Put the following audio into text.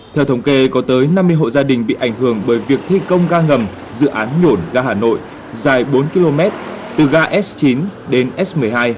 theo thống kê có tới năm mươi hộ gia đình bị ảnh hưởng bởi việc thi công ga ngầm dự án nhổn ga hà nội dài bốn km từ ga s chín đến s một mươi hai